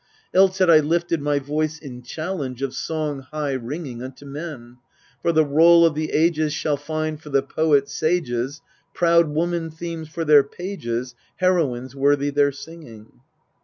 Else had I lifted my voice in challenge of song high ringing Unto men : for the roll of the ages shall find for the poet sages Proud woman themes for their pages, heroines worthy their singing.